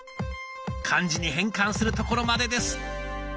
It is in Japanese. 漢字に変換するところまでです。